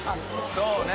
そうね。